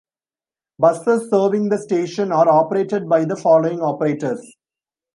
Buses serving the station are operated by the following operators.